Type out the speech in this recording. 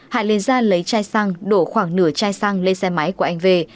hải lên ra lấy chai xăng đổ khoảng nửa chai xăng lên xe máy của anh v v h